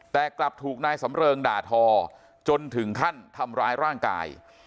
แต่กลับถูกนายสำเริงด่าทอจนถึงขั้นทำร้ายร่างกาย